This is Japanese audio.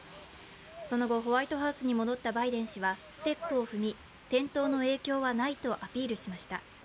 その後ホワイトハウスに戻ったバイデン氏はステップを踏み、転倒の影響はないとアピールしました。